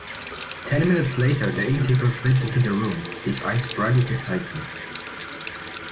Ten minutes later the innkeeper slipped into the room, his eyes bright with excitement.